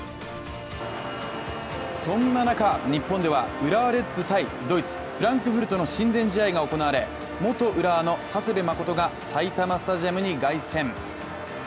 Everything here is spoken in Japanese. そんな中、日本では浦和レッズ×フランクフルトの親善試合が行われ元浦和の長谷部誠が埼玉スタジアムに凱旋。